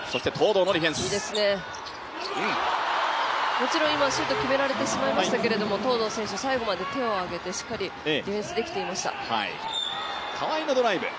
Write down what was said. もちろん今、シュート決められてしまいましたが東藤選手、最後まで手を上げてしっかりディフェンスできていました。